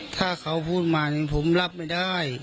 ถ้าเขาพูดมาผมรับไม่ได้